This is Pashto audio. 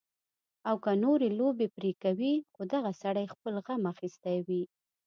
او کۀ نورې لوبې پرې کوي خو دغه سړے خپل غم اخستے وي